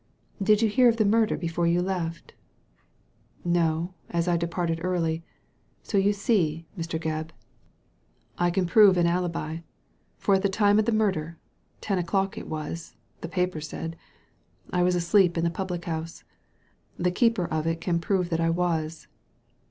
"Did you hear of the murder before you left ?'^ No, as I departed early. So you see, Mr. Gebb, Digitized by Google 248 THE LADY FROM NOWHERE I can prove an alibi ; for at the time of the murder — ten o'clock it was, the paper said — I was asleep in the public house. The keeper of it can prove that I was."